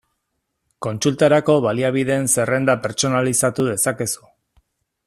Kontsultarako baliabideen zerrenda pertsonalizatu dezakezu.